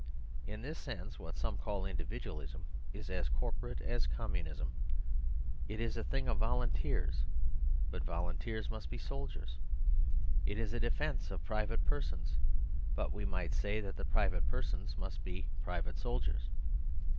In this sense what some call individualism is as corporate as communism. It is a thing of volunteers; but volunteers must be soldiers. It is a defence of private persons; but wc might say that the private persons must be private soldiers.